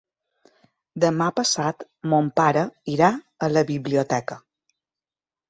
Demà passat mon pare irà a la biblioteca.